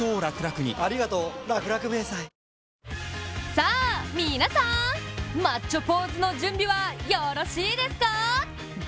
さあ皆さん、マッチョポーズの準備はよろしいですか？